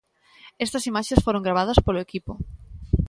Estas imaxes foron gravadas polo equipo.